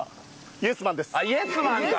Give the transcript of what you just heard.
イエスマンです。